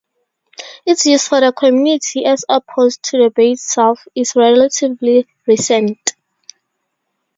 Its use for the community, as opposed to the bay itself, is relatively recent.